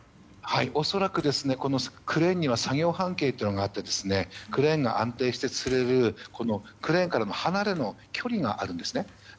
恐らくクレーンには作業半径というのがあってクレーンが安定してつれるクレーンからの離れの距離があるんですね。